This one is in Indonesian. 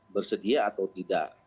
bersedia atau tidak